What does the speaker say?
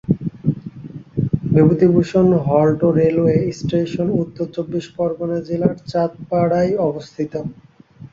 Bibhutibhushan halt railway station উত্তর চব্বিশ পরগণা জেলার চাঁদপাড়ায় অবস্থিত।